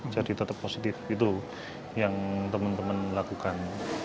jadi tetap positif itu yang teman teman lakukan